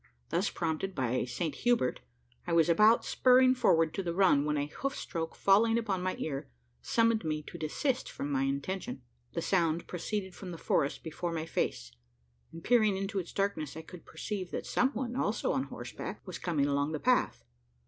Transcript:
Thus prompted by Saint Hubert, I was about spurring forward to the run; when a hoof stroke falling upon my ear, summoned me to desist from my intention. The sound proceeded from the forest before my face; and, peering into its darkness, I could perceive that some one, also on horseback, was coming along the path.